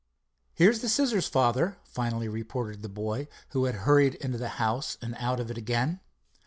"Here's the scissors, father," finally reported the boy, who had hurried into the house and out of it again.